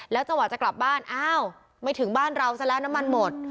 จังหวะจะกลับบ้านอ้าวไม่ถึงบ้านเราซะแล้วน้ำมันหมด